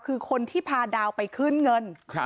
คือคนที่พาดาวไปขึ้นเงิน